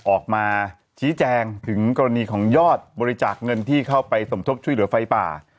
ออกมาชี้แจงถึงกรณีของยอดบริจาคเงินที่เข้าไปสมทบช่วยเหลือไฟป่า